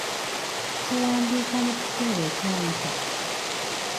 Tuwandiika mu kiseera ekyayita.